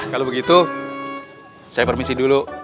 kalau begitu saya permisi dulu